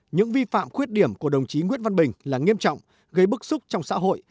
những vi phạm khuyết điểm của đồng chí nguyễn văn bình là nghiêm trọng gây bức xúc trong xã hội